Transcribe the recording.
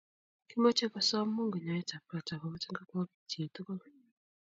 Kimochei kosom Mungu nyoetab gat agobo tengekwokikchi tugul